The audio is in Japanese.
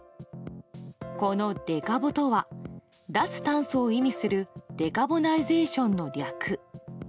このデカボとは脱炭素を意味するデカボナイゼーションの略。